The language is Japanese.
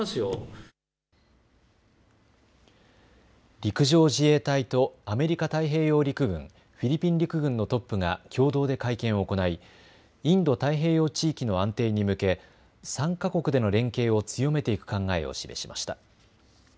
陸上自衛隊とアメリカ太平洋陸軍、フィリピン陸軍のトップが共同で会見を行いインド太平洋地域の安定に向け３か国での連携を強めていく考えを示しました。